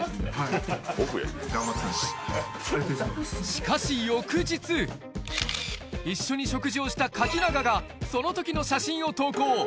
しかし翌日、一緒に食事をした垣永がそのときの写真を投稿。